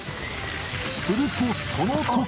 するとそのとき。